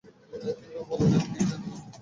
কিংবা বলা যায়, আমি ঠিক জানি না।